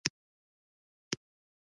واوره به وشي اوس